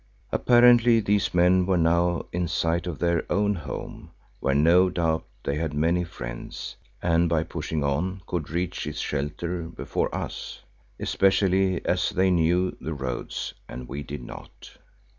Apparently these men were now in sight of their own home, where no doubt they had many friends, and by pushing on could reach its shelter before us, especially as they knew the roads and we did not.